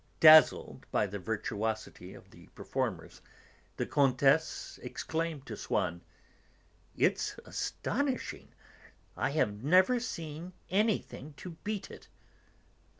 Dazzled by the virtuosity of the performers, the Comtesse exclaimed to Swann: "It's astonishing! I have never seen anything to beat it..."